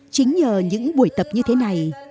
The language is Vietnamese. chính nhờ những buổi tập như thế này